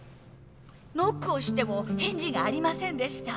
ノックをしても返事がありませんでした。